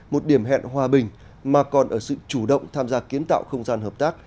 một điểm hẹn hòa bình mà còn ở sự chủ động tham gia kiến tạo không gian hợp tác